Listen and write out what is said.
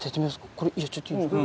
これやっちゃっていいですか？